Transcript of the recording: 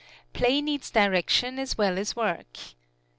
Play needs direction as well as work.